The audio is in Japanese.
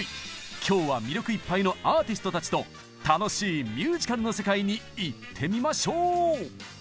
今日は魅力いっぱいのアーティストたちと楽しいミュージカルの世界に行ってみましょう！